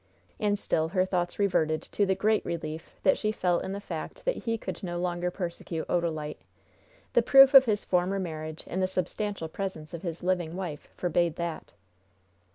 And still her thoughts reverted to the great relief that she felt in the fact that he could no longer persecute Odalite. The proof of his former marriage in the substantial presence of his living wife forbade that.